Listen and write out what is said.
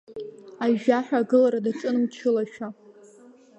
Ажәжәаҳәа агылара даҿын, мчылашәа.